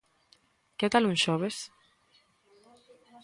¿Que tal un xoves?